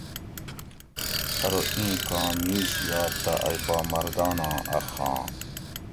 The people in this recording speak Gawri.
ارو ایں کاں میش یات تہ ائ پا مرداناں اۤ خان